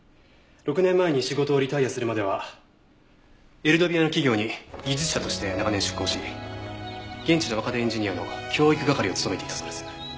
６年前に仕事をリタイアするまではエルドビアの企業に技術者として長年出向し現地の若手エンジニアの教育係を務めていたそうです。